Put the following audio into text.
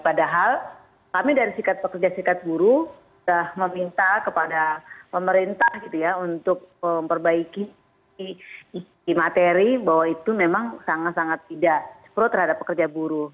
padahal kami dari sikat pekerja sikat buruh sudah meminta kepada pemerintah untuk memperbaiki materi bahwa itu memang sangat sangat tidak pro terhadap pekerja buruh